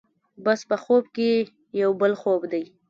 بس په خوب کې یو بل خوب دی.